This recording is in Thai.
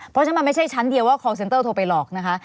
เพราะฉะนั้นมันไม่ใช่ชั้นเดียวว่าคอลเซนเตอร์โทรไปหลอกนะคะ